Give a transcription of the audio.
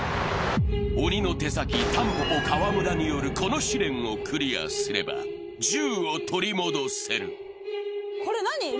鬼の手先、たんぽぽ・川村によるこの試練をクリアすれば銃を取り戻せる。